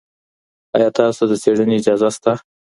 آیا تاسو ته د څېړني اجازه شته؟